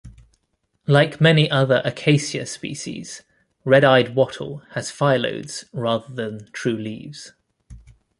Like many other "Acacia" species, red-eyed wattle has phyllodes rather than true leaves.